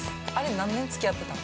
何年つき合ってたん？